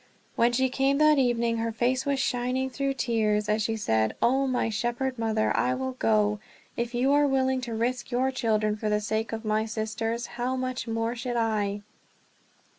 When she came that evening her face was shining through tears, as she said: "O my Shepherd Mother, I will go. If you are willing to risk your children for the sake of my sisters, how much more should I!"